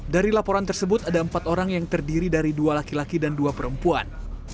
dari laporan tersebut ada empat orang yang terdiri dari dua laki laki dan dua perempuan